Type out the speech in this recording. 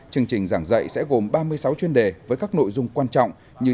chương trình giảng dạy sẽ gồm ba mươi sáu chuyên đề với các nội dung quan trọng như